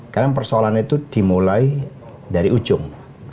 karena persoalannya itu dimulai dari ujung